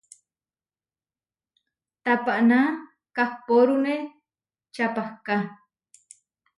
Tapaná kahpórune čapahká.